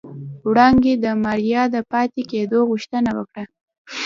وړانګې د ماريا د پاتې کېدو غوښتنه وکړه.